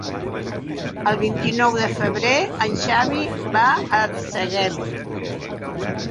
El vint-i-nou de febrer en Xavi va a Arsèguel.